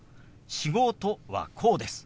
「仕事」はこうです。